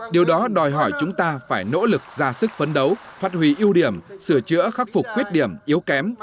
điều đó đòi hỏi chúng ta phải nỗ lực ra sức phấn đấu phát huy ưu điểm sửa chữa khắc phục khuyết điểm yếu kém